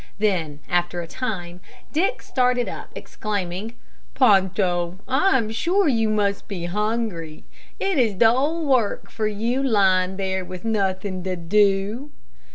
Then, after a time, Dick started up, exclaiming, "Ponto, I am sure you must be hungry; it is dull work for you lying there with nothing to do."